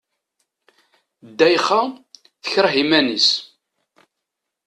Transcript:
Ddayxa, tekreh iman-is.